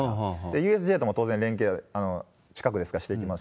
ＵＳＪとも当然連携、近くですがしていきます。